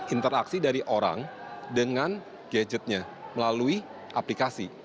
interaksi dari orang dengan gadget nya melalui aplikasi